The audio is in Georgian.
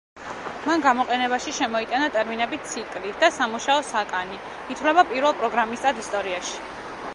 მან გამოყენებაში შემოიტანა ტერმინები „ციკლი“ და „სამუშაო საკანი“, ითვლება პირველ პროგრამისტად ისტორიაში.